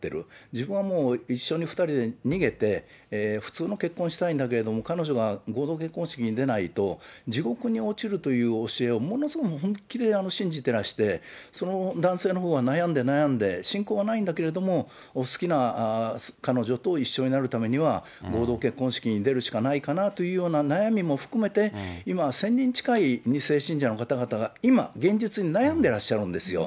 自分はもう、一緒に２人で逃げて、普通の結婚をしたいんだけれども、彼女が合同結婚式に出ないと、地獄に落ちるという教えを、ものすごく、本気で信じてらして、その男性のほうは悩んで悩んで、信仰はないんだけれども、好きな彼女と一緒になるためには、合同結婚式に出るしかないかなという悩みも含めて、今、１０００人近い２世信者の方々が今、現実に悩んでらっしゃるんですよ。